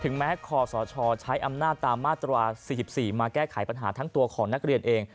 ถึงแม้ขนาดคอศใช้อำนาจจะมาตรวา๔๔มาแก้ไขปัญหาทั้งตัวของคน